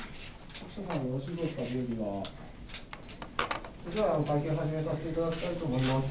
それじゃあ、会見始めさせていただきたいと思います。